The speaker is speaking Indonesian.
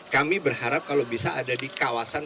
kami berharap kalau bisa ada di kawasan